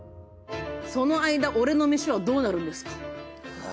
その間、オレのメシはどうなるんですか。